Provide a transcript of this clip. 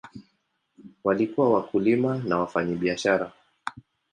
Walikuwa wakulima na wafanyabiashara.